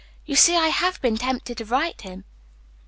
You see, I HAVE been tempted to write him."